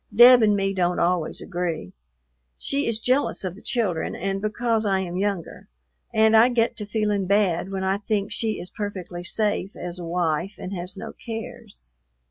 Deb and me don't always agree. She is jealous of the children and because I am younger, and I get to feeling bad when I think she is perfectly safe as a wife and has no cares.